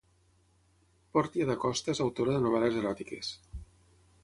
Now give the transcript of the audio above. Portia da Costa és autora de novel·les eròtiques